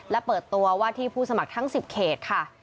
และเปิดตัวว่าที่ผู้สมัครทั้ง๑๐เขตค่ะ